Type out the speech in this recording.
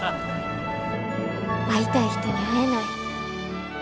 会いたい人に会えない。